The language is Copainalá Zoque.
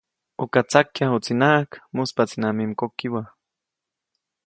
Uka tsakyajuʼtsinaʼajk, mujspaʼtsinaʼajk mi mgokibä.